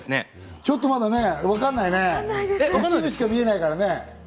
ちょっとまだわかんないね、一部しか見えないからね。